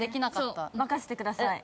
任せてください。